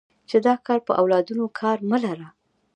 چې د اکا په اولادونو کار مه لره.